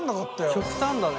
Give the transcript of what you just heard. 極端だね。